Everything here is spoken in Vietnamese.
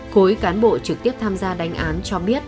khối cán bộ trực tiếp tham gia đánh án cho biết